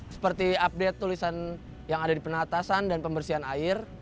seperti update tulisan yang ada di penatasan dan pembersihan air